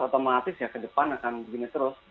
otomatis ya ke depan akan begini terus